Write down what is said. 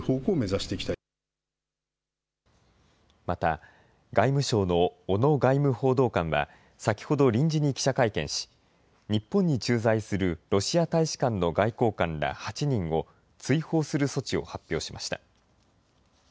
また、外務省の小野外務報道官は、先ほど、臨時に記者会見し、日本に駐在するロシア大使館の外交官ら８人を、追放する措置を発表しました。